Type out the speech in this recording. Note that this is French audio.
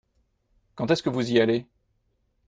Quand est-ce que vous y allez ?